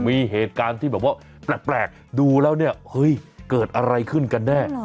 มีเหตุการณ์ที่แบบว่าแปลกดูแล้วเนี่ยเฮ้ยเกิดอะไรขึ้นกันแน่